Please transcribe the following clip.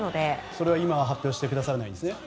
それ、今発表してくださらないんですか。